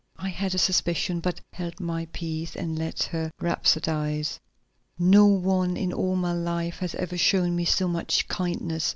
I had a suspicion, but held my peace and let her rhapsodize. "No one in all my life has ever shown me so much kindness!